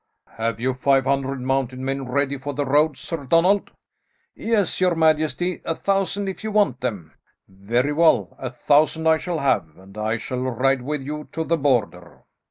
"Have you five hundred mounted men ready for the road, Sir Donald?" "Yes, your majesty, a thousand if you want them." "Very well, a thousand I shall have, and I shall ride with you to the Border."